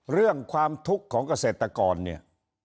เรื่องความทุกข์ของเกษตรกรเนี่ย